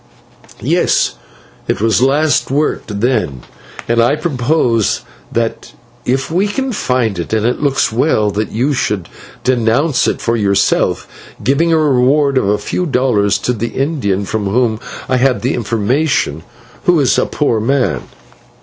"Yes, it was last worked then, and I propose that if we can find it, and it looks well, that you should 'denounce' it for yourself, giving a reward of a few dollars to the Indian from whom I had the information, who is a poor man."